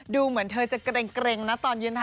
ดูเหมือนเธอจะเกร็งนะตอนยืนเท้า